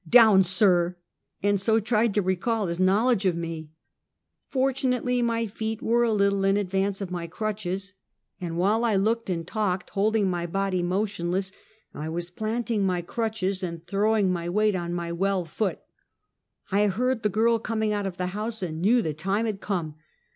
Down sir," and so tried to recall his knowledge of me. Fortunately my feet were a little in advance of my crutches, and while I looked and talked, holding my SWISSVALE. 77 body motionless, I was planting my crutches and throwing my weight on my well foot. I heard the girl coming out of the house and knew the time had come.